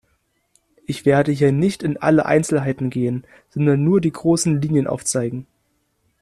Ich werde hier nicht in alle Einzelheiten gehen, sondern nur die großen Linien aufzeigen.